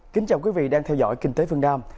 kính chào quý vị đang theo dõi kinh tế phương nam